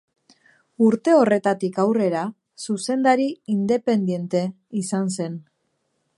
Urte horretatik aurrera, zuzendari independente izan zen.